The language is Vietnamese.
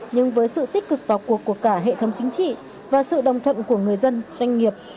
nhưng với sự tích cực vào cuộc của cả hệ thống chính trị và sự đồng thuận của người dân doanh nghiệp